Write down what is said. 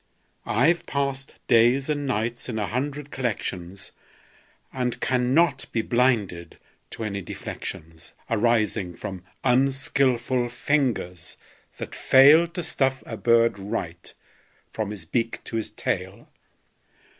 I've passed days and nights in a hundred collections, And cannot be blinded to any deflections Arising from unskilful fingers that fail To stuff a bird right, from his beak to his tail.